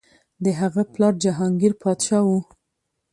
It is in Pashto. د هغه پلار جهانګیر پادشاه و.